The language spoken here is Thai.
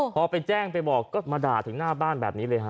พอไปแจ้งไปบอกก็มาด่าถึงหน้าบ้านแบบนี้เลยฮะ